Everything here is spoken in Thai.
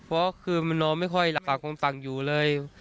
เพราะคือมันนอนไม่ค่อยหลับปากคำสั่งอยู่เลย